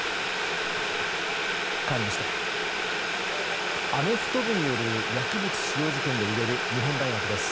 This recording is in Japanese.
かわりましてアメフト部による薬物使用事件で揺れる日本大学です。